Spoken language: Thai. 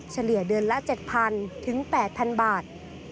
เฉลี่ยเดือนละ๗๐๐ถึง๘๐๐บาท